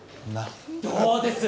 どうです？